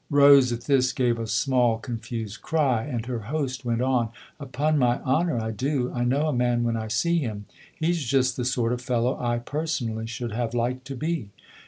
Rose, at this, gave a small, confused cry, and her host went on :" Upon my honour I do I know a man when I see him. He's just the sort of fellow I personally should have liked to be."